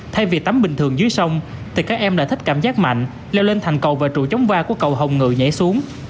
thay vì tắm bình thường dưới sông thì các em đã thích cảm giác mạnh leo lên thành cầu và trụ chống va của cầu hồng ngự nhảy xuống